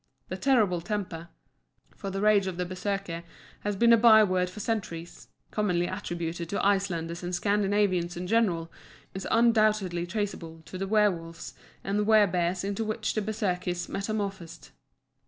The terrible temper for the rage of the Bersekir has been a byword for centuries commonly attributed to Icelanders and Scandinavians in general, is undoubtedly traceable to the werwolves and wer bears into which the Bersekirs metamorphosed.